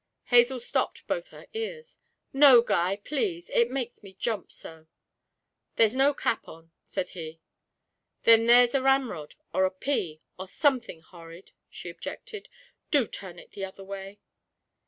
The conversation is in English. Hazel stopped both her ears. 'No, Guy, please it makes me jump so.' 'There's no cap on,' said he. 'Then there's a ramrod, or a pea, or something horrid,' she objected; 'do turn it the other way.'